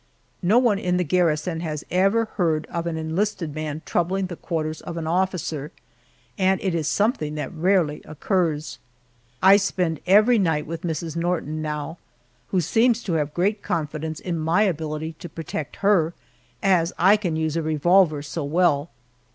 No one in the garrison has ever heard of an enlisted man troubling the quarters of an officer, and it is something that rarely occurs. I spend every night with Mrs. Norton now, who seems to have great confidence in my ability to protect her, as I can use a revolver so well.